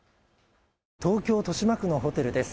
東京豊島区のホテルです。